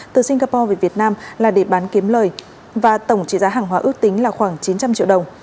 từ singapore về việt nam là để bán kiếm lời và tổng trị giá hàng hóa ước tính là khoảng chín trăm linh triệu đồng